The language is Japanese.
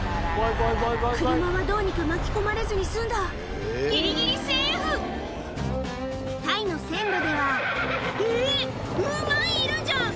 車はどうにか巻き込まれずに済んだギリギリセーフタイの線路ではえっ馬いるじゃん！